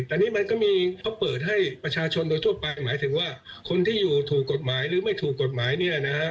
แต่นี่มันก็มีเขาเปิดให้ประชาชนโดยทั่วไปหมายถึงว่าคนที่อยู่ถูกกฎหมายหรือไม่ถูกกฎหมายเนี่ยนะฮะ